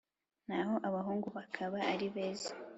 naho abahungu bakaba ari beza